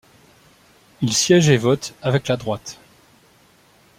Il siège et vote avec la droite.